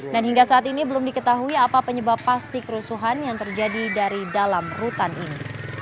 dan hingga saat ini belum diketahui apa penyebab pasti kerusuhan yang terjadi dari dalam rutan ini